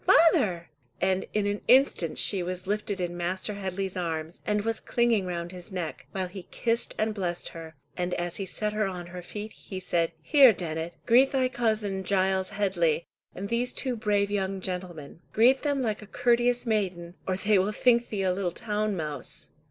father!" and in an instant she was lifted in Master Headley's arms, and was clinging round his neck, while he kissed and blessed her, and as he set her on her feet, he said, "Here, Dennet, greet thy cousin Giles Headley, and these two brave young gentlemen. Greet them like a courteous maiden, or they will think thee a little town mouse."